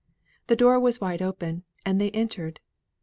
The door was wide open, and they entered.